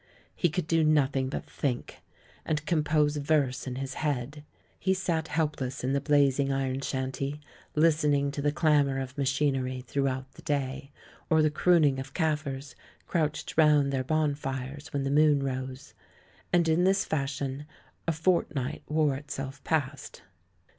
He could do nothing but think, and compose verse in his head ; he sat help less in the blazing iron shanty, listening to the clamour of machinery, throughout the day, or the crooning of Kaffirs, crouched round their bon fires, when the moon rose. And in this fashion a fortnight wore itself past.